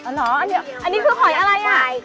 อ๋อเหรออันนี้คือหอยอะไร